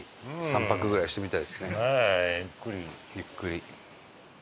ゆっくり。